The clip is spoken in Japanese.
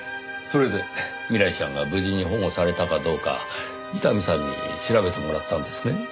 それで未来ちゃんが無事に保護されたかどうか伊丹さんに調べてもらったんですね？